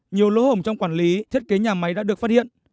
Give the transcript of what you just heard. nhiều lỗ hổng trong quản lý thiết kế nhà máy đã được phát hiện